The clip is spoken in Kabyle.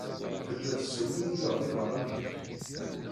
Telliḍ tessewliwileḍ iḍarren-nnek.